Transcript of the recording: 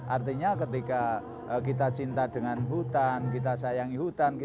artinya ketika kita cinta dengan hutan kita sayangi hutan